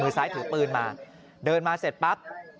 ซ้ายถือปืนมาเดินมาเสร็จปั๊บ